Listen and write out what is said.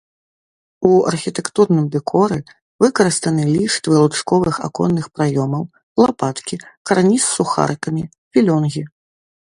У архітэктурным дэкоры выкарыстаны ліштвы лучковых аконных праёмаў, лапаткі, карніз з сухарыкамі, філёнгі.